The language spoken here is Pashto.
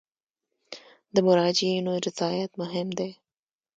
د مراجعینو رضایت مهم دی